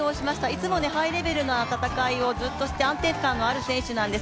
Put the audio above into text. いつもハイレベルな戦いをずっとして、安定感のある選手なんです。